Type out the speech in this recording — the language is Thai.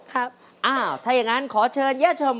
ครับถ้าอย่างนั้นขอเชิญย่าเชิม